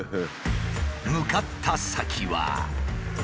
向かった先は。